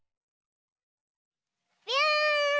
びゅん！